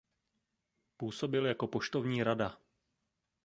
Působil jako poštovní rada.